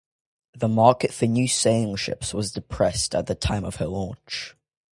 The market for new sailing ships was depressed at the time of her launch.